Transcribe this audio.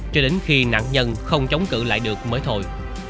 cho đến khi nạn nhân không chống cự lại được mới thôi